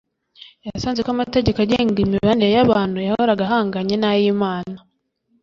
yasanze ko amategeko agenga imibanire y'abantu yahoraga ahanganye n'ay'Imana.